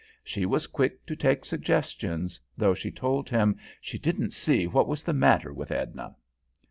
She was quick to take suggestions, though she told him she "didn't see what was the matter with 'Edna.'"